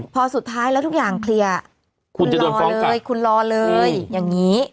พอสุดท้ายแล้วทุกอย่างเคลียร์คุณรอเลยคุณรอเลยอย่างนี้